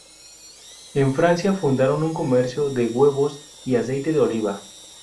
En Francia fundaron un comercio de huevos y aceite de oliva.